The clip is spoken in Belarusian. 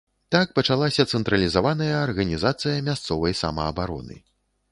Так пачалася цэнтралізаваная арганізацыя мясцовай самаабароны.